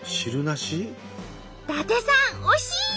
伊達さん惜しい！